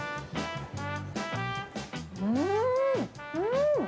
うん、うん！